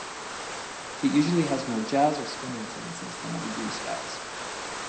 It usually has more jazz- or swing-influences than other blues styles.